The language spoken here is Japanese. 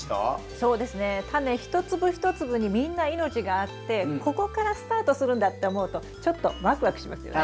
そうですねタネ一粒一粒にみんな命があってここからスタートするんだって思うとちょっとワクワクしますよね。